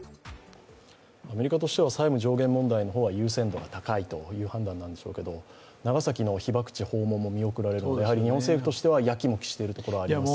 アメリカとしては債務上限問題の方が優先度が高いという判断なんでしょうけど長崎の被爆地訪問も見送られて、日本政府としてはやきもきしているところがありますか？